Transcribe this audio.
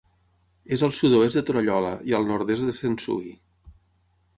És al sud-oest de Torallola i al nord-est de Sensui.